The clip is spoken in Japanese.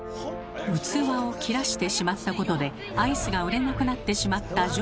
器を切らしてしまったことでアイスが売れなくなってしまったジョージ。